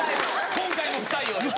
今回も不採用です。